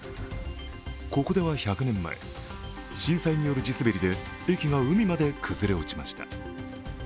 ここでは１００年前、震災による地滑りで駅が海まで崩れ落ちました。